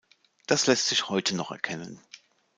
Das lässt sich heute noch erkennen.